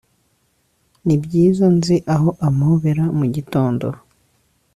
nibyiza nzi aho ampobera - mugitondo